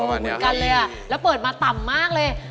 เหมือนกันเลยอ่ะแล้วเปิดมาต่ำมากเลย